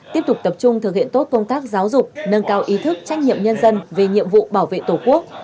tiếp tục tập trung thực hiện tốt công tác giáo dục nâng cao ý thức trách nhiệm nhân dân về nhiệm vụ bảo vệ tổ quốc